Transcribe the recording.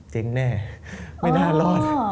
จริงแน่ไม่น่ารอด